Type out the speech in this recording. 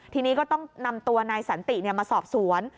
ทีนี้ก็ต้องนำตัวนายสันติมาสอบสวน